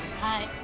はい。